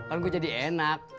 kan gue jadi enak